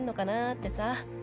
ってさ。